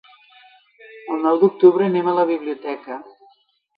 El nou d'octubre anem a la biblioteca.